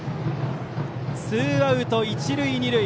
ツーアウト一塁二塁。